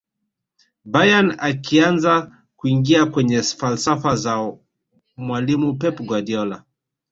bayern ikaanza kuingia kwenye falsafa za mwalimu pep guardiola